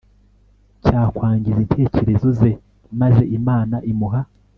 cyakwangiza intekerezo ze Maze Imana imuha